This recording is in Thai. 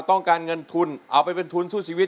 ต้องการเงินทุนเอาไปเป็นทุนสู้ชีวิต